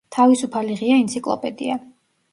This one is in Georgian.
თავისუფალი ღია ენციკლოპედია.